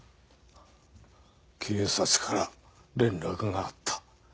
警察から連絡があった。